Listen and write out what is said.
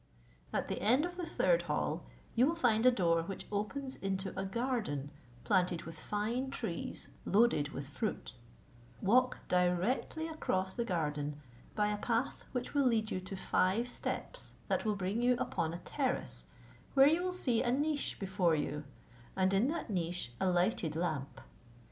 At the end of the third hall, you will find a door which opens into a garden planted with fine trees loaded with fruit; walk directly across the garden by a path which will lead you to five steps that will bring you upon a terrace, where you will see a niche before you, and in that niche a lighted lamp.